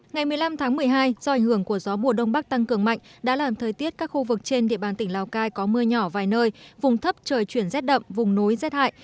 ngày một mươi năm tháng một mươi hai do ảnh hưởng của gió mùa đông bắc tăng cường mạnh đã làm thời tiết các khu vực trên địa bàn tỉnh lào cai có mưa nhỏ vài nơi vùng thấp trời chuyển rét đậm vùng núi rét hại